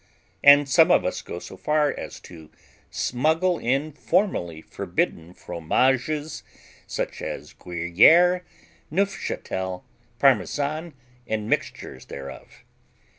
And some of us go so far as to smuggle in formerly forbidden fromages such as Gruyère, Neufchâtel, Parmesan, and mixtures thereof.